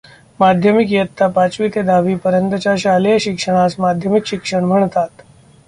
माध्यमिक इयत्ता पाचवी ते दहावीपर्यंतच्या शालेय शिक्षणास माध्यमिक शिक्षण म्हणतात.